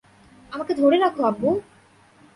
আমাকে ধরে রাখো, আব্বু!